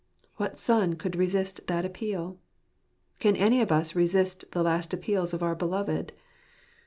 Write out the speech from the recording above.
What son could resist that appeal ? Can any of us resist the last appeals of our beloved?